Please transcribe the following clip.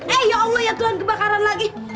eh ya allah ya tuhan kebakaran lagi